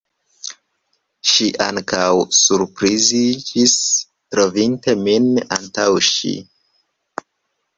Ŝi ankaŭ surpriziĝis, trovinte min antaŭ ŝi.